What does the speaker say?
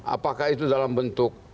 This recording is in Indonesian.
apakah itu dalam bentuk